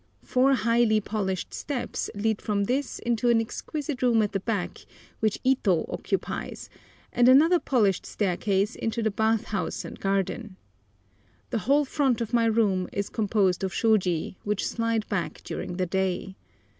Four highly polished steps lead from this into an exquisite room at the back, which Ito occupies, and another polished staircase into the bath house and garden. The whole front of my room is composed of shôji, which slide back during the day.